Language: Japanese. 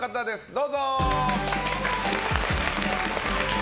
どうぞ。